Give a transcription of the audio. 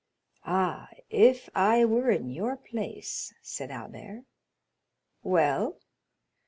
"Ah, if I were in your place——" said Albert. "Well?"